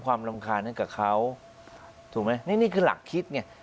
รำคาญให้กับเขาถูกไหมนี่คือหลักคิดไง